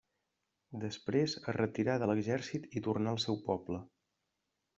Després es retirà de l'Exèrcit i tornà al seu poble.